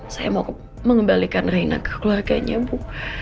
saya mau mengembalikan reina ke keluarganya bu